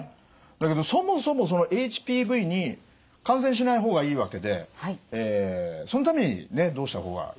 だけどそもそもそのＨＰＶに感染しない方がいいわけでそのためにねどうした方がいいのかということですね。